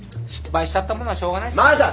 失敗しちゃったものはしょうがない。